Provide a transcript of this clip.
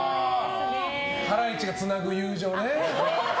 ハライチがつなぐ友情ね。